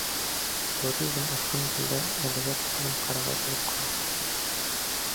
Туризм Архангелдә әлегә тиклем ҡырағай булып ҡала.